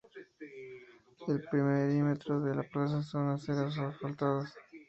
El perímetro de la plaza son aceras asfaltadas.